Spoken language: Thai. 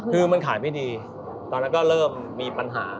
คือมันขายไม่ดีตอนนั้นก็เริ่มมีปัญหา